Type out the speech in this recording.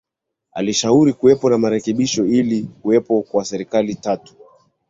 Alishauri kuwapo marekebisho ili kuwepo kwa serikali tatu